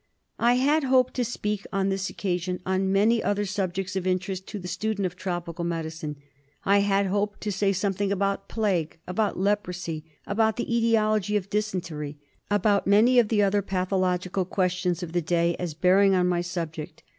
I had hoped to speak on this occasion on many other subjects of interest to the student of tropical medicine. I had hoped to say something about plague, about leprosy, about the etiology of dysentery, about many of the other pathological questions of the day as bearing on my subject.